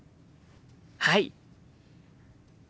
はい。